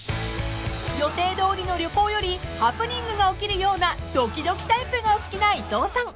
［予定どおりの旅行よりハプニングが起きるようなドキドキタイプがお好きな伊藤さん］